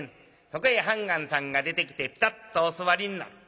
そこへ判官さんが出てきてぴたっとお座りになる。